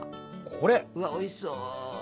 うわおいしそう。